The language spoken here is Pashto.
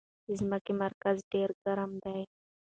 د ځمکې مرکز ډېر ګرم دی.